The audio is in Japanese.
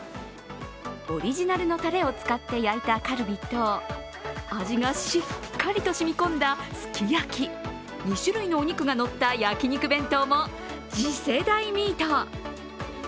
オリジナルのたれを使って焼いたカルビと味がしっかりと染み込んだすき焼き２種類のお肉がのった焼き肉弁当も次世代ミート。